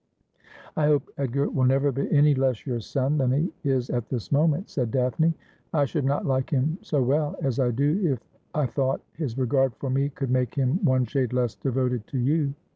' I hope Edgar will never be any less your son than he is at this moment,' said Daphne. ' I should not like him so well as I do if thought his regard for me could make him one shade less devoted to you.'